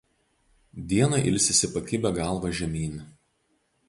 Dieną ilsisi pakibę galva žemyn.